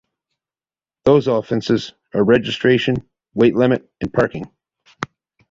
Those offenses are registration, weight limit, and parking.